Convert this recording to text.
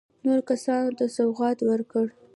نورو کسانو ته سوغات ورکړ.